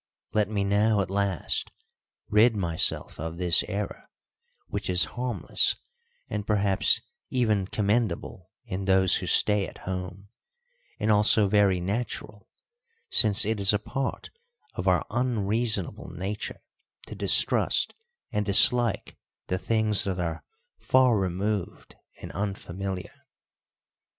Let me now at last rid myself of this error, which is harmless and perhaps even commendable in those who stay at home, and also very natural, since it is a part of our unreasonable nature to distrust and dislike the things that are far removed and unfamiliar.